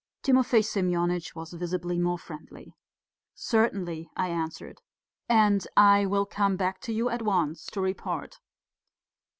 Timofey Semyonitch was visibly more friendly. "Certainly," I answered. "And I will come back to you at once to report."